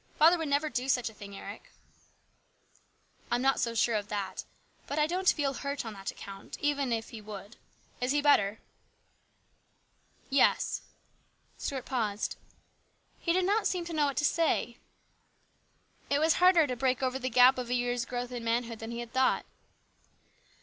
Father would never do such a thing, Eric." " I'm not so sure of that. But I don't feel hurt on that account, even if he would. Is he better ?"" Yes." Stuart paused. He did not seem to know what to say. It was harder to break over the gap of a year's growth in manhood than he had thought.